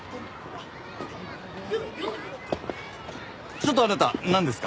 ちょっとあなたなんですか？